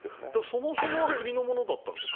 そもそもは国のものだったんでしょ？